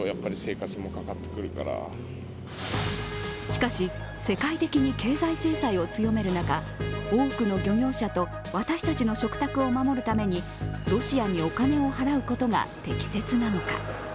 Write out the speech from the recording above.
しかし、世界的に経済制裁を強める中、多くの漁業者と私たちの食卓を守るためにロシアにお金を払うことが適切なのか。